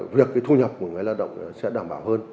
việc cái thu nhập của người lao động sẽ đảm bảo hơn